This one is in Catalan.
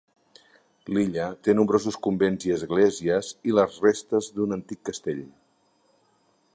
L'illa té nombrosos convents i esglésies i les restes d'un antic castell.